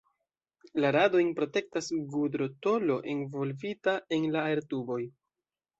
La radojn protektas gudro-tolo, envolvita en la aertuboj.